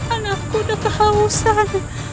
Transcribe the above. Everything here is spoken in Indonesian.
anakku udah kehausan